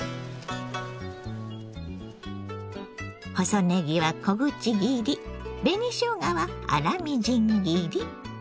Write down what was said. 細ねぎは小口切り紅しょうがは粗みじん切り。